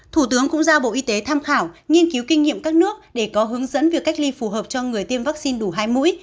thủ tướng cũng giao bộ y tế tham khảo nghiên cứu kinh nghiệm các nước để có hướng dẫn việc cách ly phù hợp cho người tiêm vaccine đủ hai mũi